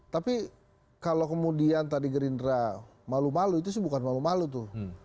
tapi kalau kemudian tadi gerindra malu malu itu sih bukan malu malu tuh